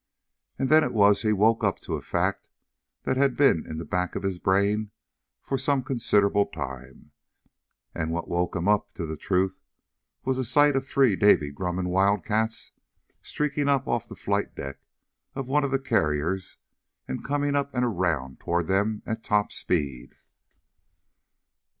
And then it was he woke up to a fact that had been in the back of his brain for some considerable time. And what woke him up to the truth was sight of three Navy Grumman Wildcats streaking up off the flight deck of one of the carriers, and coming up and around toward them at top speed.